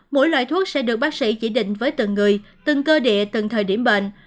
mỗi loại thuốc sẽ được bác sĩ chỉ định với từng người từng cơ địa từng thời điểm bệnh